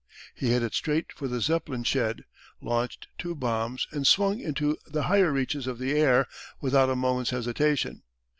He headed straight for the Zeppelin shed, launched two bombs and swung into the higher reaches of the air without a moment's hesitation.